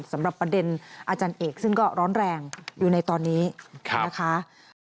สำหรับประเด็นอาจารย์เอกซึ่งก็ร้อนแรงอยู่ในตอนนี้นะคะ